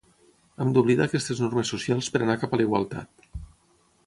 Hem d'oblidar aquestes normes socials per anar cap a la igualtat.